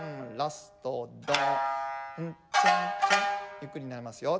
ゆっくりになりますよ。